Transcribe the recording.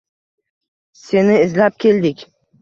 Seni izlab keldik.